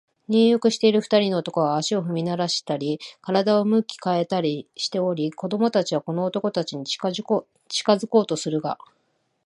入浴している二人の男は、足を踏みならしたり、身体を向き変えたりしており、子供たちはこの男たちに近づこうとするが、